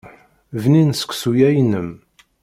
Bnin seksu-ya-inem.